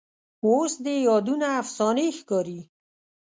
اوس دې یادونه افسانې ښکاري